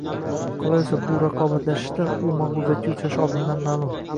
Qolaversa bu raqobatlashishda u mag‘lubiyatga uchrashi oldindan ma’lum.